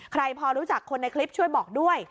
ใครพอรู้จักคนในคลิปช่วยบอกด้วย